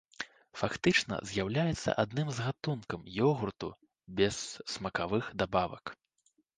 Фактычна з'яўляецца адным з гатункаў ёгурту без смакавых дабавак.